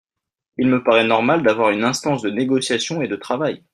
Il me paraît normal d’avoir une instance de négociation et de travail.